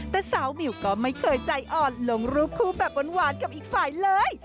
แต่สาวมิวก็ไม่เคยใจอ่อนลงรูปคู่แบบหวานกับอีกฝ่ายเลย